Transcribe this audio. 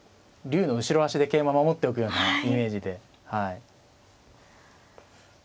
竜の後ろ足で桂馬守っておくようなイメージではい。